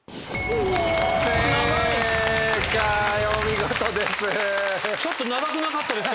お見事です。